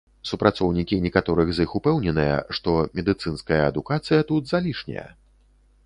Супрацоўнікі некаторых з іх упэўненыя, што медыцынская адукацыя тут залішняя.